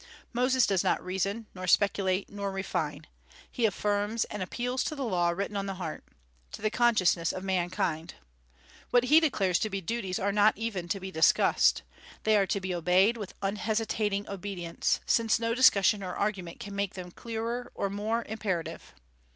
Moses does not reason, nor speculate, nor refine; he affirms, and appeals to the law written on the heart, to the consciousness of mankind. What he declares to be duties are not even to be discussed. They are to be obeyed with unhesitating obedience, since no discussion or argument can make them clearer or more imperative.